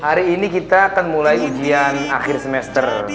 hari ini kita akan mulai ujian akhir semester